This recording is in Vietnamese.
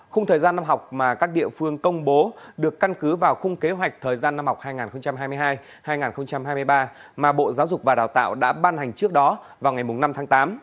khung thời gian năm học mà các địa phương công bố được căn cứ vào khung kế hoạch thời gian năm học hai nghìn hai mươi hai hai nghìn hai mươi ba mà bộ giáo dục và đào tạo đã ban hành trước đó vào ngày năm tháng tám